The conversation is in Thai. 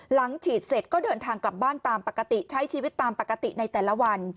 หลังฉีดเสร็จก็เดินทางกลับบ้านตามปกติใช้ชีวิตตามปกติในแต่ละวัน